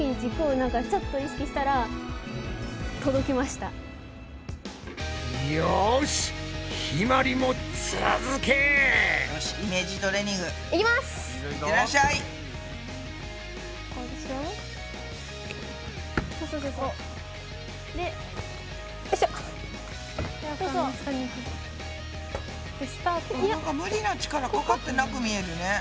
なんか無理な力かかってなく見えるね。